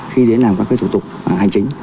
khi đến làm các thủ tục hành chính